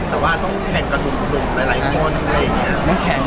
แต่ต้องแข่งกระดุนถึงไปไอ้ข้อทางเลย